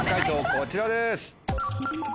こちらです。